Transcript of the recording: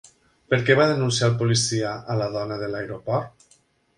Per què va denunciar el policia a la dona de l'aeroport?